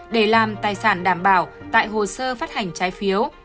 để làm tài sản đảm bảo tại hồ sơ phát hành trái phiếu